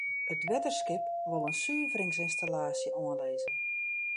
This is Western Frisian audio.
It wetterskip wol in suveringsynstallaasje oanlizze.